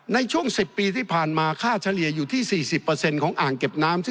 ในช่วงสิบปีที่ผ่านมาค่าเฉลี่ยอยู่ที่สี่สิบเปอร์เซ็นต์ของอ่างเก็บน้ำ